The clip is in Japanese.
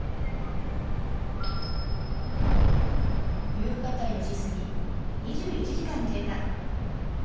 夕方４時過ぎ。